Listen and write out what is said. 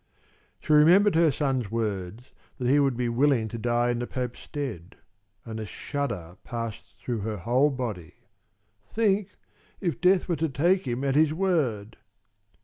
She remembered her son's words that he would be willing to die in the Pope's stead, and a shudder passed through her whole body. "Think, if Death were to take him at his word!"